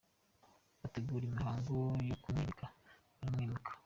bategura imihango yo kumwimika baramwimika;